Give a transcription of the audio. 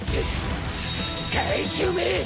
怪獣め！